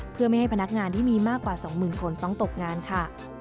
เพื่อไม่ให้พนักงานที่มีมากกว่า๒๐๐๐คนต้องตกงานค่ะ